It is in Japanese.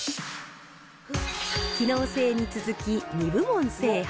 機能性に続き、２部門制覇。